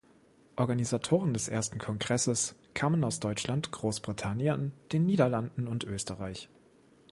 Organisatoren des ersten Kongresses kamen aus Deutschland, Großbritannien, den Niederlanden und Österreich.